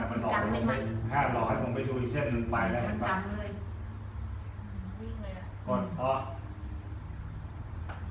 นี่มันตอบหน้ามันหล่อหล่อให้ผมไปดูอีกเส้นหนึ่งไปแล้วเห็นป่ะมันตอบเลยมันวิ่งเลยแหละ